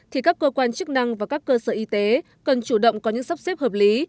thì các cơ quan chức năng và các cơ sở y tế cần chủ động có những sắp xếp hợp lý